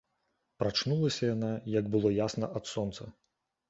Прачнулася яна, як было ясна ад сонца.